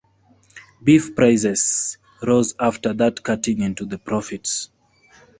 Beef prices rose after that cutting into the profits.